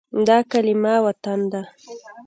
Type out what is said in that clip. دا کلمه “وطن” ده.